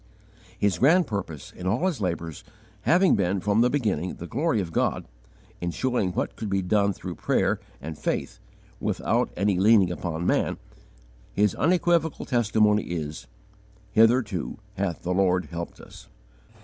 His grand purpose, in all his labours, having been, from the beginning, the glory of God, in showing what could be done through prayer and faith, without any leaning upon man, his unequivocal testimony is: "Hitherto hath the Lord helped us."